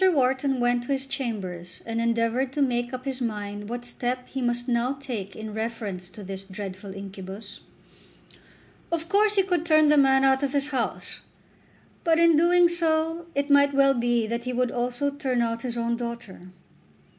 Wharton went to his chambers and endeavoured to make up his mind what step he must now take in reference to this dreadful incubus. Of course he could turn the man out of his house, but in so doing it might well be that he would also turn out his own daughter.